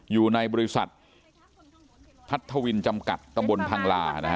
อยู่ในบริษัททัศวินจำกัดตลพังลา